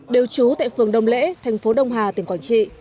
đều trú tại phường đông lễ thành phố đông hà tỉnh quảng trị